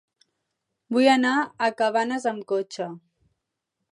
Vull anar a Cabanes amb cotxe.